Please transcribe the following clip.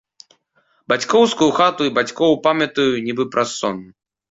Бацькоўскую хату і бацькоў памятаю нібы праз сон.